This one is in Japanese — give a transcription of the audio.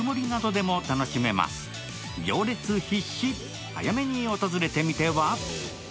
行列必至、早めに訪れてみては？